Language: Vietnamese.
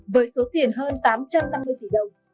với số tiền hơn tám trăm năm mươi tỷ đồng